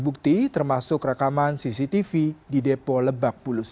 bukti termasuk rekaman cctv di depo lebak bulus